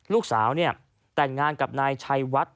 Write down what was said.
ลูกสาวเนี่ยแต่งงานกับนายชัยวัด